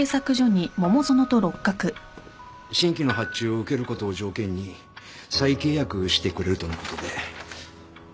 新規の発注を受けることを条件に再契約してくれるとのことで。